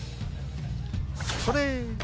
それ！